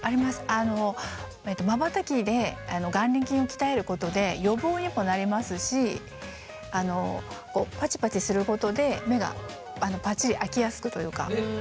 あのまばたきで眼輪筋を鍛えることで予防にもなりますしあのこうパチパチすることで目がパッチリ開きやすくというか。